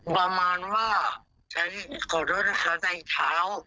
ประมาณว่าฉันขอโทษนะคะใส่เท้า